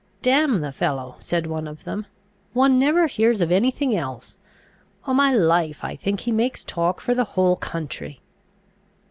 "Damn the fellow," said one of them, "one never hears of any thing else. O' my life, I think he makes talk for the whole country."